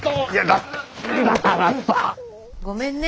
ごめんね。